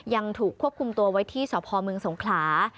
ยังถูกควบคุมตัวไว้ที่สพเมืองสงขลา